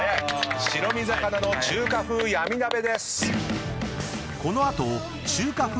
白身魚の中華風闇鍋です。